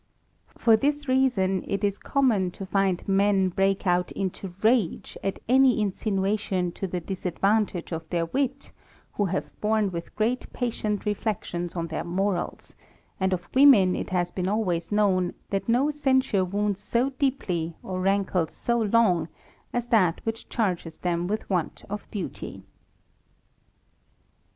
For this reason it is common to find men break out into rage at any insinuation to the disadvantage of their wit, who have borne with great patience reflections on their morals ; and of women it has been always known, that no censure wounds so deeply, or rankles so long, as that which charges them with want of beauty.